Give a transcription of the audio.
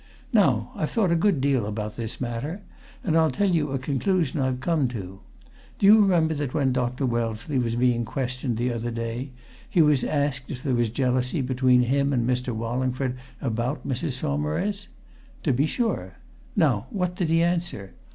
Now, I've thought a good deal about this matter, and I'll tell you a conclusion I've come to. Do you remember that when Dr. Wellesley was being questioned the other day he was asked if there was jealousy between him and Mr. Wallingford about Mrs. Saumarez? To be sure! Now what did he answer?